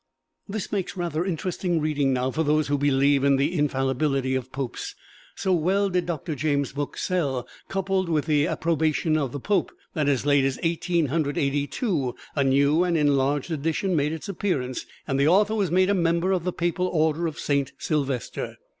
This makes rather interesting reading now for those who believe in the infallibility of popes. So well did Doctor James' book sell, coupled with the approbation of the Pope, that as late as Eighteen Hundred Eighty two a new and enlarged edition made its appearance, and the author was made a member of the Papal Order of Saint Sylvester.